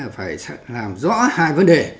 phải làm rõ hai vấn đề